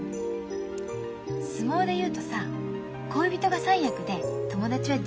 相撲で言うとさ恋人が三役で友達は十両なわけよ。